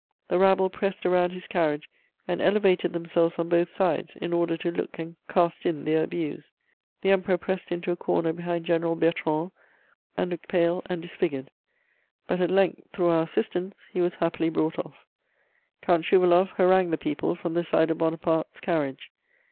"The rabble pressed around his carriage, and elevated themselves on both sides in order to look and cast in their abuse. The Emperor pressed into a corner behind General Bertrand, and looked pale and disfigured; but at length, through our assistance, he was happily brought off. "Count Schouwaloff harangued the people from the side of Buonaparte's carriage.